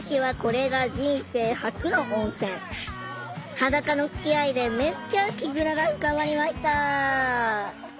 裸のつきあいでめっちゃ絆が深まりました！